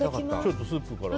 スープから。